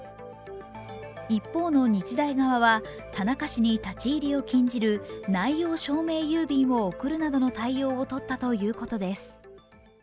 一方の日大側は田中氏に立ち入りを禁じる内容証明郵便を送るなどの対応をとったということです。